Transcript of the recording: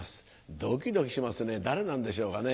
ドキドキしますね誰なんでしょうかね？